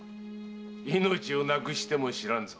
命をなくしても知らんぞ。